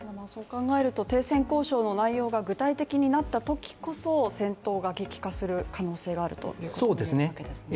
そう考えると停戦交渉の内容が具体的になったときこそ戦闘が激化する可能性があるというわけですね。